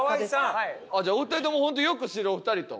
じゃあお二人ともホントよく知るお二人と。